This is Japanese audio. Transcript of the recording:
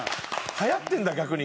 流行ってるんだ逆に。